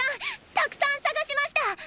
たくさん捜しましたっ！